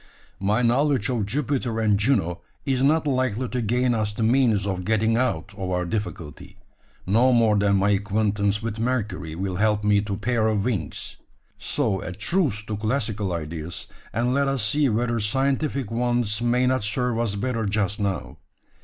My knowledge of Jupiter and Juno is not likely to gain us the means of getting out of our difficulty, no more than my acquaintance with Mercury will help me to a pair of wings. So a truce to classical ideas, and let us see whether scientific ones may not serve us better just now.